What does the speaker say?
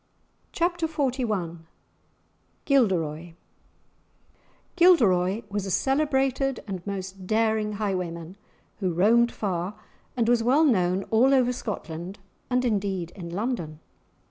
*Chapter XLI* *Gilderoy* Gilderoy was a celebrated and most daring highwayman, who roamed far, and was well known all over Scotland and indeed in London.